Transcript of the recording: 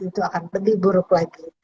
itu akan lebih buruk lagi